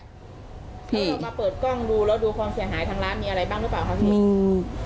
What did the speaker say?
แล้วก็มาเปิดกล้องดูแล้วดูความเสียหายทางร้านมีอะไรบ้างหรือเปล่าครับพี่มิ้นอืม